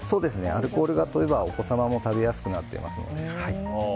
アルコールが飛べばお子様も食べやすくなりますので。